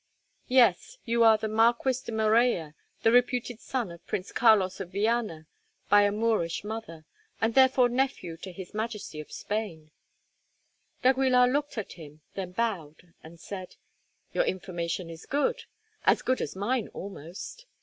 "Yes, you are the Marquis de Morella, the reputed son of Prince Carlos of Viana by a Moorish mother, and therefore nephew to his Majesty of Spain." d'Aguilar looked at him, then bowed and said: "Your information is good—as good as mine, almost.